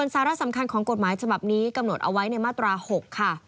สาระสำคัญของกฎหมายฉบับนี้กำหนดเอาไว้ในมาตรา๖ค่ะ